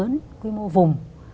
có những cái quy mô vùng